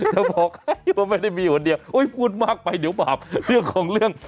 จะบอกให้ว่าไม่ได้มีคนเดียวพูดมากไปเดี๋ยวบาปเรื่องของเรื่อง